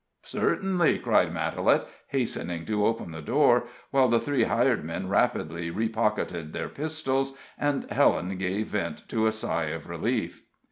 "Certainly!" cried Matalette, hastening to open the door, while the three hired men rapidly repocketed their pistols, and Helen gave vent to a sigh of relief.